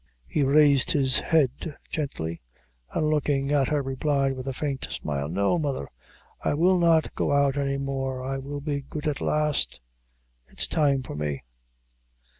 He raised his head gently, and, looking at her, replied, with a faint smile "No, mother, I will not go out any more; I will be good at last it's time for me."